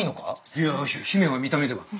いや姫は見た目では。